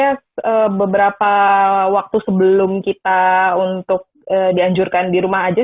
karena saya beberapa waktu sebelum kita untuk dianjurkan di rumah aja